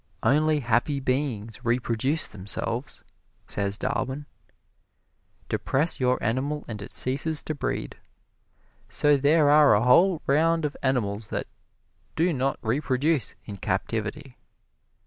"Only happy beings reproduce themselves," says Darwin. Depress your animal and it ceases to breed; so there are a whole round of animals that do not reproduce in captivity.